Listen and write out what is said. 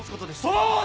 そうだ！